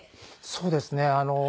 そうですね。